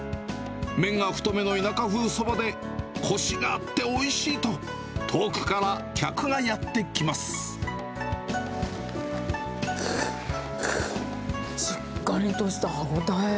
麺は太めの田舎そばで、こしがあっておいしいと、遠くから客がやしっかりとした歯応え。